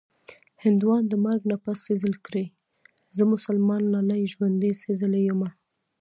هندوان د مرګ نه پس سېزل کړي-زه مسلمان لالي ژوندۍ سېزلې یمه